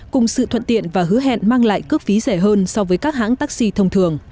cùng sự thuận tiện và hứa hẹn mang lại cước phí rẻ hơn so với các hãng taxi thông thường